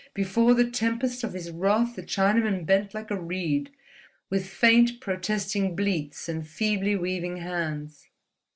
Before the tempest of his wrath the Chinaman bent like a reed, with faint, protesting bleats and feebly weaving hands.